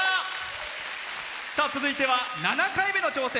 続いては、７回目の挑戦。